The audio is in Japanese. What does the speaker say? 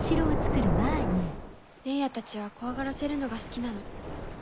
ねえやたちは怖がらせるのが好きなの。